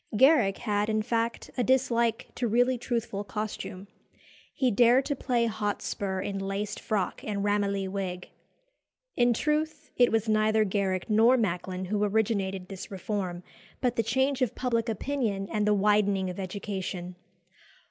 Garrick had, in fact, a dislike to really truthful costume. He dared to play Hotspur in laced frock and Ramillies wig. In truth, it was neither Garrick nor Macklin who originated this reform, but the change of public opinion and the widening of education.